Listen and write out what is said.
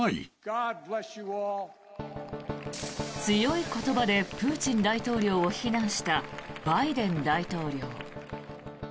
強い言葉でプーチン大統領を非難したバイデン大統領。